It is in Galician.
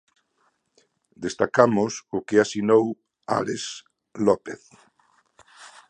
Destacamos o que asinou Álex López.